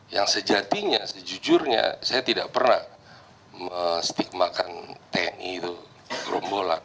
yang sejatinya sejujurnya saya tidak pernah menstigmakan tni itu gerombolan